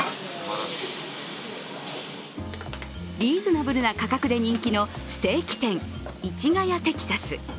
リーズナブルな価格で人気のステーキ店、市ヶ谷テキサス。